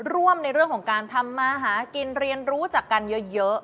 ร่วมในเรื่องของการทำมาหากินเรียนรู้จักกันเยอะ